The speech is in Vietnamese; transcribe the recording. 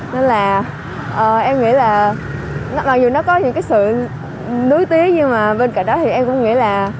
nên là em nghĩ là mặc dù nó có những cái sự nuối tiếng nhưng mà bên cạnh đó thì em cũng nghĩ là